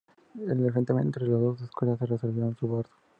El enfrentamiento entre las dos escuelas se resolvió a su favor.